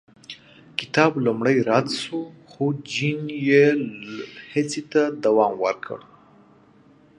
کتاب لومړی رد شو، خو جین یې هڅې ته دوام ورکړ.